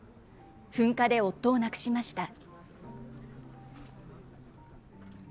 噴火で夫を亡くしました。